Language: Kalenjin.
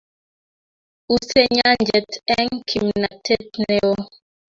Usei nyanjet eng kimnatet neo